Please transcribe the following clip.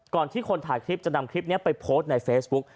ที่คนถ่ายคลิปจะนำคลิปนี้ไปโพสต์ในเฟซบุ๊ก